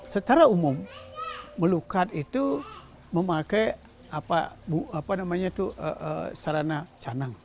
secara umum melukat itu memakai sarana canang